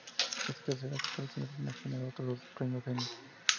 Esta tercera aparición del personaje generó otros dos premios Emmy.